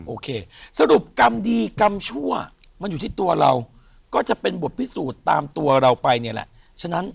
โอเคสรุปกรรมดีกรรมชั่วมันอยู่ที่ตัวเราก็จะเป็นบทพิสูจน์ตามตัวเราไปเนี่ยแหละฉะนั้น